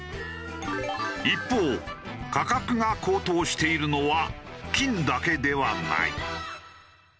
一方価格が高騰しているのは金だけではない。